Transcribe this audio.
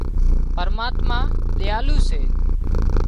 پرماتما ۮيالو سي